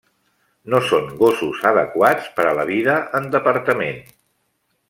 No són gossos adequats per a la vida en departament.